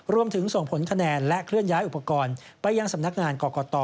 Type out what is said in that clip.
ส่งผลคะแนนและเคลื่อนย้ายอุปกรณ์ไปยังสำนักงานกรกต